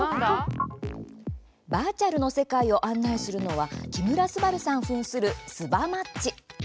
バーチャルの世界を案内するのは木村昴さん、ふんするスバマッチ。